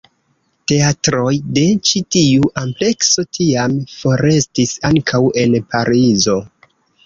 Teatroj de ĉi tiu amplekso tiam forestis ankaŭ en Parizo.